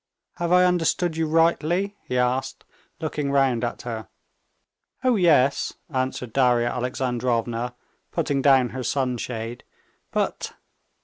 Have I understood you rightly?" he asked, looking round at her. "Oh, yes," answered Darya Alexandrovna, putting down her sunshade, "but...."